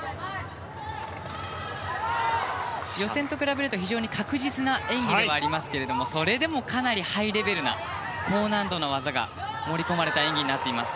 予選と比べると非常に確実な演技ではありますけれどもそれでもかなりハイレベルな高難度な技が盛り込まれた演技になっています。